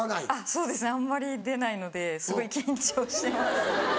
そうですねあんまり出ないのですごい緊張してます。